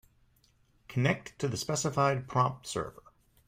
Connect to the specified prompt server.